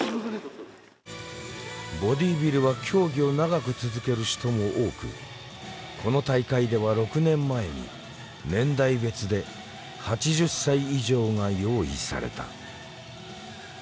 ボディビルは競技を長く続ける人も多くこの大会では６年前に年代別で８０歳以上が用意された。